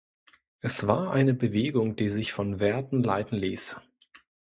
Es war eine Bewegung, die sich von Werten leiten ließ.